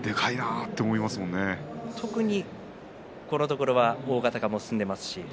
特にこのところは大型化も進んでいます。